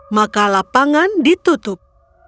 maka lapangan ditutup